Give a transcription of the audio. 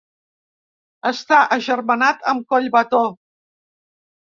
Està agermanat amb Collbató.